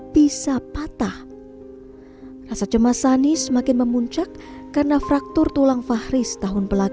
bisa patah rasa cemas sani semakin memuncak karena fraktur tulang fahri setahun belasnya